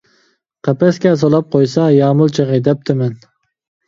قەپەسكە سولاپ قويسا، يامۇل چېغى دەپتىمەن.